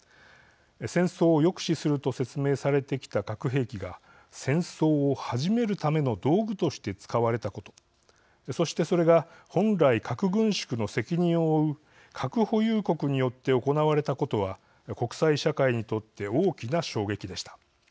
戦争を抑止すると説明されてきた核兵器が戦争を始めるための道具として使われたことそして、それが本来、核軍縮の責任を負う核保有国によって行われたことは国際社会にとって大きな衝撃でした。